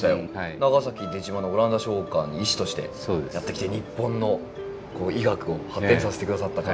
長崎出島のオランダ商館に医師としてやって来て日本の医学を発展させて下さった方。